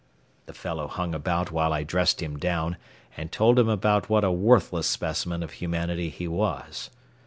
The fellow hung about while I dressed him down and told him about what a worthless specimen of humanity he was.